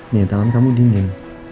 nih tangan kamu dingin